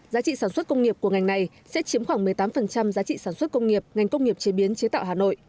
giá trị sản xuất công nghiệp của ngành này sẽ chiếm khoảng một mươi tám giá trị sản xuất công nghiệp ngành công nghiệp chế biến chế tạo hà nội